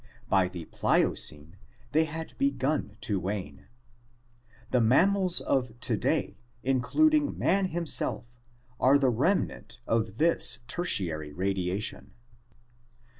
By the Pliocene they had begun to wane. The mammals of to day, including man himself, are the remnant of this Tertiary radiation.